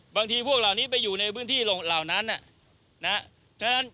บางทีพวกเหล่านี้ไปอยู่ในพื้นที่เหล่านั้น